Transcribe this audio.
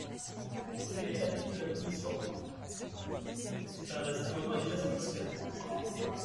Quel est l’avis de la commission ? Cet amendement est déjà satisfait.